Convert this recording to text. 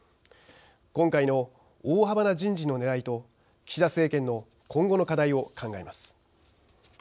今回の大幅な人事のねらいと岸田政権の今後の課題を考えます。